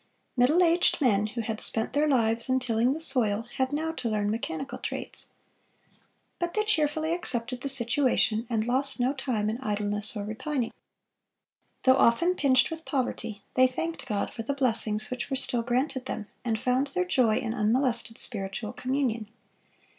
Middle aged men, who had spent their lives in tilling the soil, had now to learn mechanical trades. But they cheerfully accepted the situation, and lost no time in idleness or repining. Though often pinched with poverty, they thanked God for the blessings which were still granted them, and found their joy in unmolested spiritual communion.